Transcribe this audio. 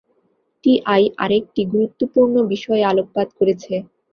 TI আরেকটি গুরুত্বপূর্ণ বিষয়ে আলোকপাত করেছে।